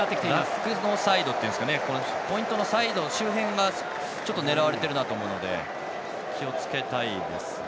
ラックのサイドポイントのサイド周辺は狙われているなと思うので気をつけたいですね。